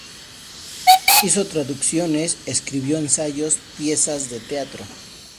Hizo traducciones, escribió ensayos, piezas de teatro.